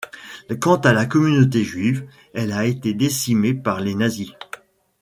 Quant à la communauté juive, elle a été décimée par les nazis.